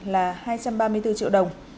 là hai trăm ba mươi bốn triệu đồng